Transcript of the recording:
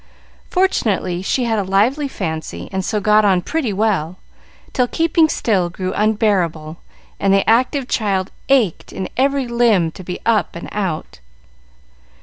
Fortunately, she had a lively fancy, and so got on pretty well, till keeping still grew unbearable, and the active child ached in every limb to be up and out.